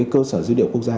cơ sở dữ liệu quốc gia